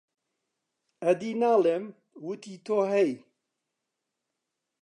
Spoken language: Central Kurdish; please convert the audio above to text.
ئەدی ناڵێم، وەتی تۆ هەی،